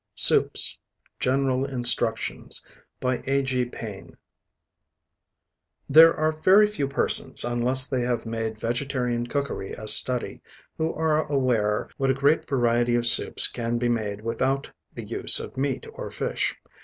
SOUPS. GENERAL INSTRUCTIONS. There are very few persons, unless they have made vegetarian cookery a study, who are aware what a great variety of soups can be made without the use of meat or fish.